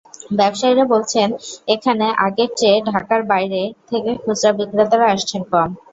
ব্যবসায়ীরা বলছেন, এখন আগের চেয়ে ঢাকার বাইরে থেকে খুচরা বিক্রেতারা আসছেন কম।